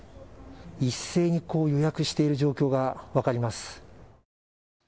一斉に予約している状況が分かります。